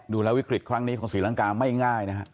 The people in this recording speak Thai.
ดูแลวิกฤทธิ์ครั้งนี้ของศรีลังกาไม่ง่ายนะครับ